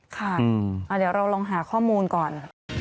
ค่ะเดี๋ยวเราลองหาข้อมูลก่อน